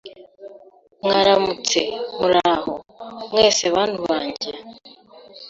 Mwaramutse, muraho, mwese bantu banjye